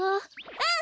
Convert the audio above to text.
うん！